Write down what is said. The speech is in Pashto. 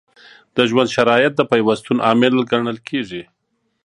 د ژوند شرایط د پیوستون عامل ګڼل کیږي.